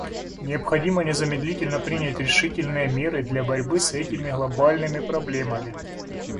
Необходимо незамедлительно принять решительные меры для борьбы с этими глобальными проблемами.